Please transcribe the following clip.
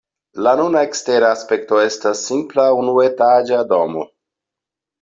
La nuna ekstera aspekto estas simpla unuetaĝa domo.